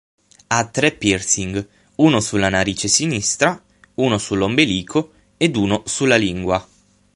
Ha tre piercing: uno sulla narice sinistra, uno sull'ombelico ed uno sulla lingua.